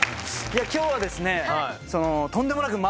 今日はですね。